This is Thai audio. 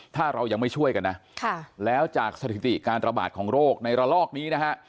ถ้าเรายังไม่ช่วยกันนะแล้วจากสถิติการระบาดของโรคในระลอกนี้นะฮะ